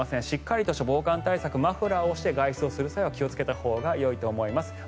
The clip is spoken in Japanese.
しっかりとした防寒対策マフラーをして外出をする際は気をつけたほうがよいと思います。